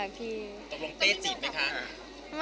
ตรงพี่เป้จีบไหมคะ